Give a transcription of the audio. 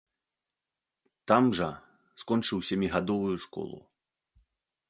Там жа скончыў сямігадовую школу.